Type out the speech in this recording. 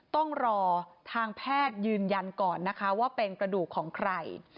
ต้องรอทางแพทย์ยืนยันก่อนนะคะว่าเป็นกระดูกของใคร